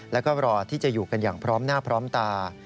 แล้วก็รอที่จะอยู่กันอย่างพร้อมหน้าพร้อมตา